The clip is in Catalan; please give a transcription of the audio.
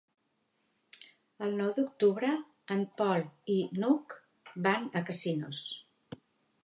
El nou d'octubre en Pol i n'Hug van a Casinos.